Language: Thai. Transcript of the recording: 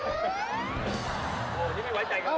เช็คใครนี่